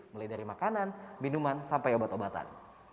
mulai dari makanan minuman sampai obat obatan